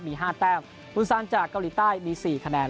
มี๕แต้มบุญซานจากเกาหลีใต้มี๔คะแนน